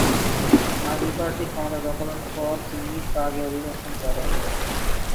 নাজি party ক্ষমতা দখলের পর তিনি প্রাগে অভিবাসন করেন।